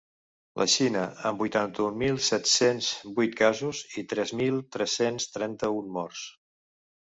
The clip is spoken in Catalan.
La Xina, amb vuitanta-un mil set-cents vuit casos i tres mil tres-cents trenta-un morts.